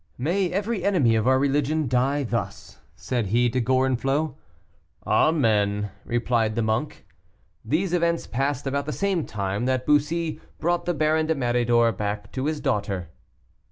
"May every enemy of our religion die thus," said he to Gorenflot. "Amen," replied the monk. These events passed about the same time that Bussy brought the Baron de Méridor back to his daughter.